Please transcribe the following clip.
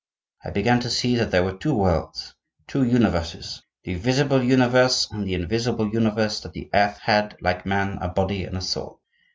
I began to see that there were two worlds, two universes,—the visible universe, and the invisible universe; that the earth had, like man, a body and a soul.